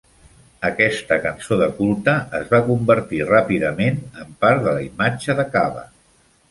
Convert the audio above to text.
Aquesta cançó de culte es va convertir ràpidament en part de la imatge de Kabba.